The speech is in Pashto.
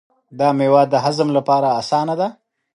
دا مېوه د هضم لپاره اسانه ده.